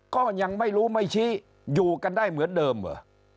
ก็ยังไม่รู้ไม่ชี้อยู่กันได้เหมือนเดิมเหรอ